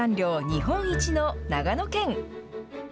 日本一の長野県。